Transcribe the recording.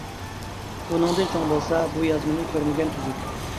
ئۇنىڭدىن چوڭ بولسا، بۇ يازمىنى كۆرمىگەن تۈزۈك.